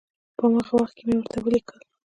په هماغه وخت کې مې ورته ولیکل.